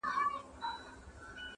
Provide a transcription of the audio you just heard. سترګي یې ډکي له فریاده په ژباړلو ارزي-